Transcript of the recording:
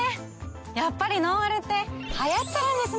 やっぱりノンアルって流行ってるんですね。